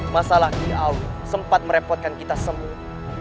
masalah kiawing sempat merepotkan kita semua